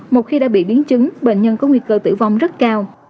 một khi đã bị biến chứng bệnh nhân có nguy cơ tử vong rất cao